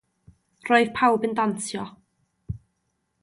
Roedd pawb yn dawnsio.